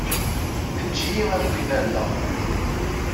Eǧǧ-iyi ad ken-alleɣ.